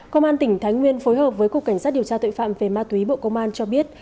công an tỉnh thái nguyên phối hợp với cục cảnh sát điều tra tội phạm về ma túy bộ công an cho biết